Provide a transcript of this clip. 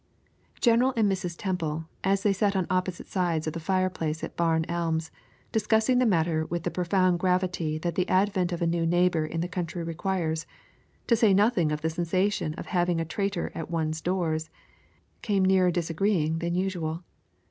General and Mrs. Temple, as they sat on opposite sides of the fireplace at Barn Elms, discussing the matter with the profound gravity that the advent of a new neighbor in the country requires, to say nothing of the sensation of having a traitor at one's doors, came nearer disagreeing than usual.